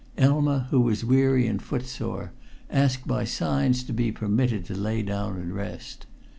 Elma, who was weary and footsore, asked by signs to be permitted to lay down and rest.